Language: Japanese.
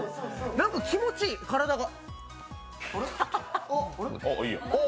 何か気持ちいい、体が。